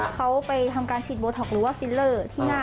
เขาไปทำการฉีดโบท็อกหรือว่าฟิลเลอร์ที่หน้า